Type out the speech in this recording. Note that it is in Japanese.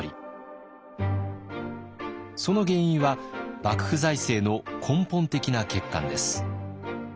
その原因は幕府財政の根本的な欠陥です。